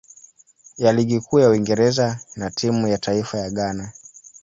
ya Ligi Kuu ya Uingereza na timu ya taifa ya Ghana.